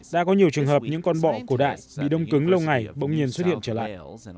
đã có nhiều trường hợp những con bọ cổ đại bị đông cứng lâu ngày bỗng nhiên xuất hiện trở lại